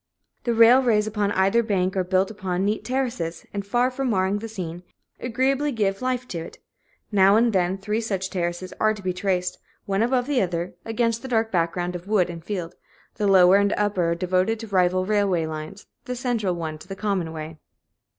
The railways upon either bank are built on neat terraces, and, far from marring the scene, agreeably give life to it; now and then, three such terraces are to be traced, one above the other, against the dark background of wood and field the lower and upper devoted to rival railway lines, the central one to the common way.